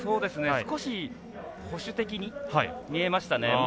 少し保守的に見えましたね。